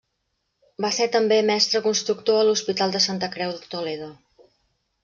Va ser també mestre constructor a l'Hospital de Santa Creu de Toledo.